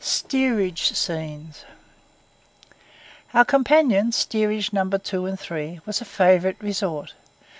STEERAGE SCENES Our companion (Steerage No. 2 and 3) was a favourite resort.